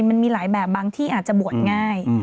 มันมีหลายแบบบางที่อาจจะบวชง่าย